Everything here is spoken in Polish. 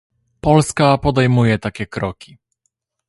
Polska podejmuje takie kroki